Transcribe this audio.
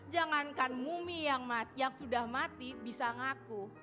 jangankan mumi yang sudah mati bisa ngaku